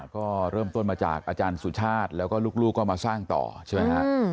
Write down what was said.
ก็เริ่มต้นมาจากอาจารย์สุชาติแล้วก็ลูกก็มาสร้างต่อใช่ไหมฮะ